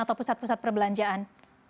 atau pusat pusat perbelanjaan